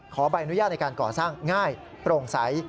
ใบอนุญาตในการก่อสร้างง่ายโปร่งใส